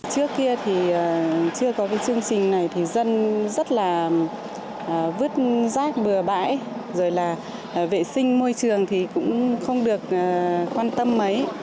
trước kia thì chưa có cái chương trình này thì dân rất là vứt rác bừa bãi rồi là vệ sinh môi trường thì cũng không được quan tâm mấy